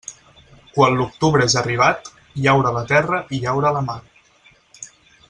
Quan l'octubre és arribat, llaura la terra i llaura la mar.